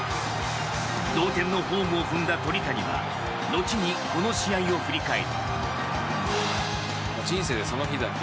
同点のホームを踏んだ鳥谷は後に、この試合を振り返り。